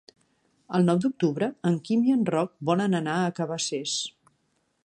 El nou d'octubre en Quim i en Roc volen anar a Cabacés.